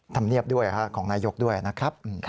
ทำเนียบด้วยค่ะของนายกด้วยนะครับ